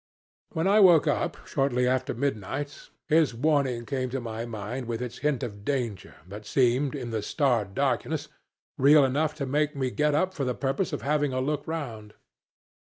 ... "When I woke up shortly after midnight his warning came to my mind with its hint of danger that seemed, in the starred darkness, real enough to make me get up for the purpose of having a look round.